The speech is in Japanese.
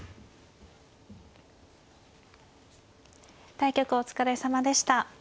対局お疲れさまでした。